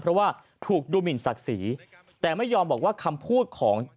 เพราะว่าถูกดูหมินศักดิ์ศรีแต่ไม่ยอมบอกว่าคำพูดของ